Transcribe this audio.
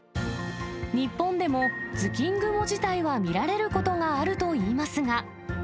日本でも、頭巾雲自体は見られることがあるといいますが。